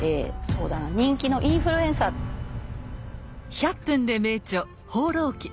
「１００分ｄｅ名著」「放浪記」。